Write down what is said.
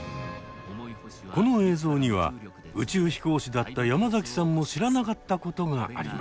この映像には宇宙飛行士だった山崎さんも知らなかったことがありました。